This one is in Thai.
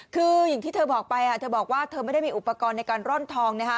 คืออย่างที่เธอบอกไปเธอบอกว่าเธอไม่ได้มีอุปกรณ์ในการร่อนทองนะคะ